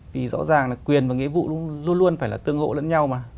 vì rõ ràng là quyền và nghĩa vụ luôn luôn phải là tương hộ lẫn nhau mà